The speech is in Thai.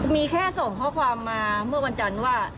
มีแค่ส่งข้อความมาเมื่อวันจันทร์ว่า